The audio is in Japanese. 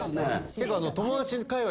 結構。